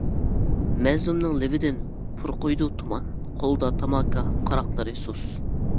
مەزلۇمنىڭ لېۋىدىن پۇرقۇيدۇ تۇمان، قولىدا تاماكا قاراقلىرى سۇس.